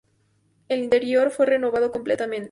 El interior fue renovado completamente.